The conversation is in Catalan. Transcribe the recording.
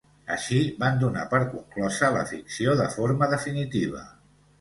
Així, van donar per conclosa la ficció de forma definitiva.